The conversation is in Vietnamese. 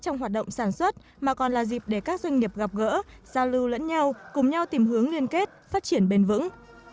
trong hoạt động sản xuất mà còn là dịp để các doanh nghiệp gặp gỡ giao lưu lẫn nhau cùng nhau tìm hướng liên kết phát triển bền vững